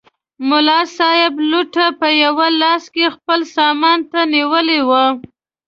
ملا صاحب لوټه په یوه لاس کې خپل سامان ته نیولې وه.